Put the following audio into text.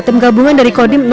tim gabungan dari kodim dua puluh